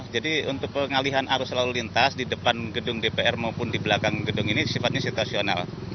jadi untuk pengalihan arus lalu lintas di depan gedung dpr maupun di belakang gedung ini sifatnya situasional